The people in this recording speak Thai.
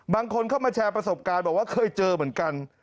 บางคนเข้ามาแชร์ประสบการณ์บอกว่าเคยเจอเหมือนกัน